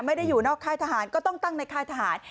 ไม่ได้อยู่นอกค่ายทหารก็ต้องตั้งในค่ายทหาร